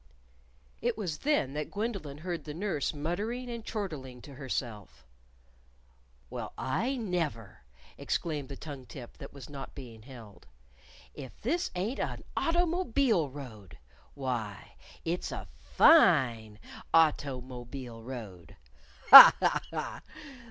It was then that Gwendolyn heard the nurse muttering and chortling to herself. "Well, I never!" exclaimed the tongue tip that was not being held. "If this ain't a' automobile road! Why, it's a fine auto_mo_bile road! Ha! ha! ha!